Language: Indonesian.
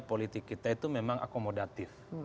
politik kita itu memang akomodatif